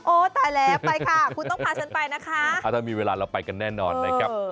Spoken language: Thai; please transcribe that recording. ตายแล้วไปค่ะคุณต้องพาฉันไปนะคะถ้ามีเวลาเราไปกันแน่นอนนะครับ